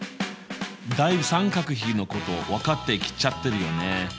だいぶ三角比のこと分かってきちゃってるよね。